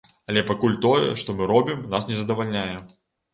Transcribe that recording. Але пакуль тое, што мы робім, нас не задавальняе.